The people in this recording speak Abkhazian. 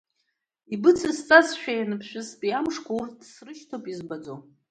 Ибыцысҵазшәа ианбшәызтәи амшқәа, урҭгьы срышьҭоуп, избаӡом.